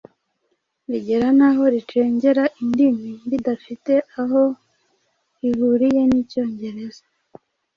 rigera n’aho ricengera indimi zidafite aho zihuriye n’Icyongereza.